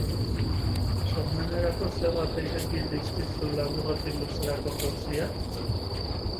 Sormenerako zer ate ireki dizkizu laburretik luzerako jauziak?